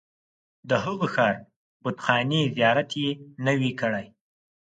د هغه ښار بتخانې زیارت یې نه وي کړی.